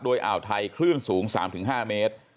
โดยอ่าวไทยคลื่นสูง๓๕เมตร